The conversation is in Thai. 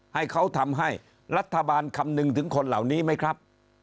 ให้เขาทำให้รัฐบาลคำนึงถึงคนเหล่านี้ไหมครับ